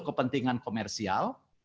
itu kepentingan komersial